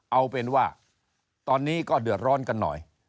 เอาเป็นว่าตอนนี้ก็เดือดร้อนกันหน่อย